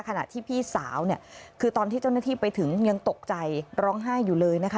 ขณะที่พี่สาวเนี่ยคือตอนที่เจ้าหน้าที่ไปถึงยังตกใจร้องไห้อยู่เลยนะคะ